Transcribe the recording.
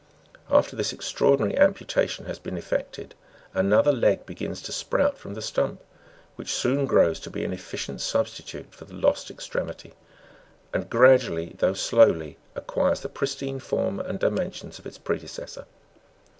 After this extraordinary amputation has been effected, another leg begins to sprout from the stump, which soon grows to be an efficient substitute for the lost extremity, and gradually, though slowly, acquires the pristine form and dimensions of its predecessor.